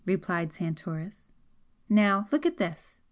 replied Santoris. "Now look at this!"